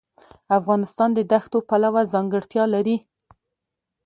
افغانستان د دښتو پلوه ځانګړتیاوې لري.